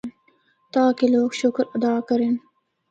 تاکہ لوگ شُکر ادا کرّن۔